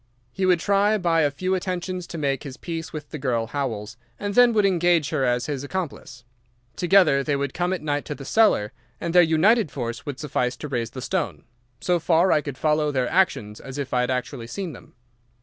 He would try by a few attentions to make his peace with the girl Howells, and then would engage her as his accomplice. Together they would come at night to the cellar, and their united force would suffice to raise the stone. So far I could follow their actions as if I had actually seen them.